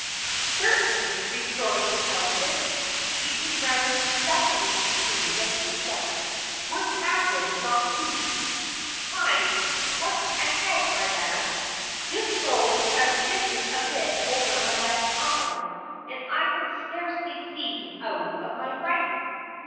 "Certainly," retorted the elephant, speaking rather stuffily through the haystack. "We're travelers, not thieves. Hi! what's ahead, my lad? This load has shifted a bit over my left eye and I can scarcely see out of my right."